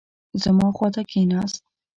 زما خوا ته کښېناست.